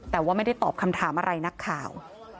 แต่ว่าไม่ได้ตอบคำถามอะไรนักข่าว